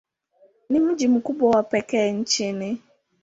Ni mji mkubwa wa pekee nchini.